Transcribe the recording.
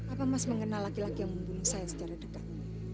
apa mas mengenal laki laki yang membunuh saya secara dekat